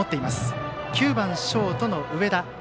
打席には９番ショートの上田。